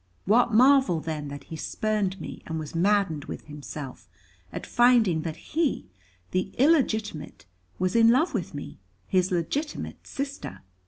What marvel then that he spurned me, and was maddened with himself, at finding that he, the illegitimate, was in love with me, his legitimate sister?